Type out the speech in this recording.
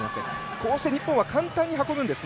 こうして日本は簡単に運びます。